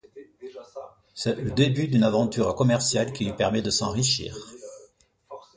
C'est le début d'une aventure commerciale qui lui permet de s'enrichir.